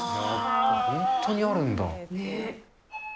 本当にあるんだ。